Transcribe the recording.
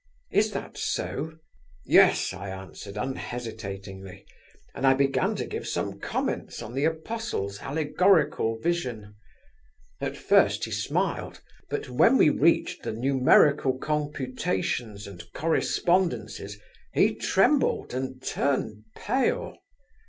'Is that so?' 'Yes,' I answered unhesitatingly, and I began to give some comments on the Apostle's allegorical vision. At first he smiled, but when we reached the numerical computations and correspondences, he trembled, and turned pale.